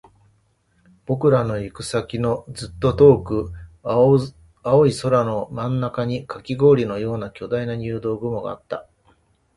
僕らの行く先のずっと遠く、青い空の真ん中にカキ氷のような巨大な入道雲があった